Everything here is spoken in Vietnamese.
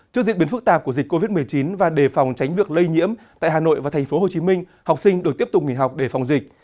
trước diễn biến phức tạp của dịch covid một mươi chín và đề phòng tránh việc lây nhiễm tại hà nội và tp hcm học sinh được tiếp tục nghỉ học để phòng dịch